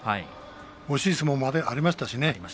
惜しい相撲もありましたしね。